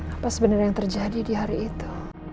apa sebenarnya yang terjadi di hari itu